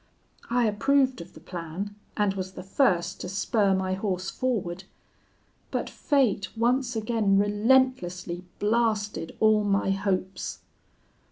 I approved of the plan, and was the first to spur my horse forward but fate once again relentlessly blasted all my hopes.